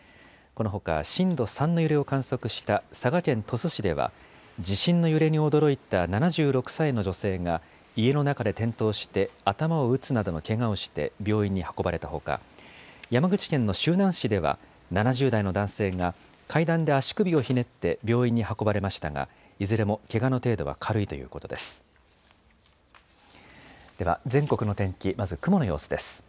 このほか震度３の揺れを観測した佐賀県鳥栖市では地震の揺れに驚いた７６歳の女性が家の中で転倒して頭を打つなどのけがをして病院に運ばれたほか山口県の周南市では７０代の男性が階段で足首をひねって病院に運ばれましたがいずれもけがの程度は軽いということです。